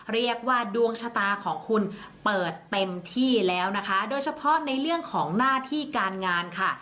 เรียกว่าดวงชะตาของคุณเปิดเต็มที่แล้วนะคะโดยเฉพาะในเรื่องของหน้าที่การงานค่ะ